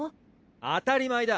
当たり前だ！